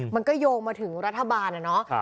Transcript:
มันก็โยงมาถึงรัฐบาลนะเนาะ